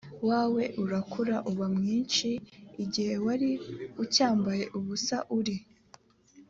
wawe urakura uba mwinshi igihe wari ucyambaye ubusa uri